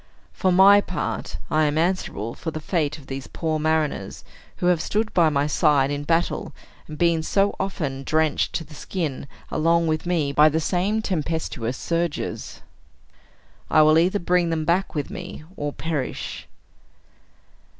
For my part, I am answerable for the fate of these poor mariners, who have stood by my side in battle, and been so often drenched to the skin, along with me, by the same tempestuous surges. I will either bring them back with me, or perish."